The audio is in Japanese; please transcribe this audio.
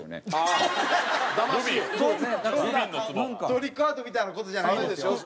トリックアートみたいな事じゃないですよ。